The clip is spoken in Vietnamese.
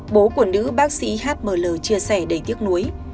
bố của nữ bác sĩ h m l chia sẻ đầy tiếc nuối